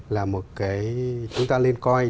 là một cái chúng ta nên coi